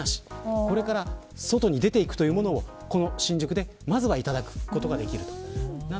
これから外に出ていくというものをこの新宿でまずはいただくことができます。